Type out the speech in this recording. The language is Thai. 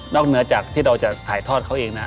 เหนือจากที่เราจะถ่ายทอดเขาเองนะ